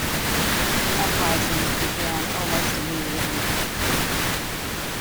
Uprisings began almost immediately.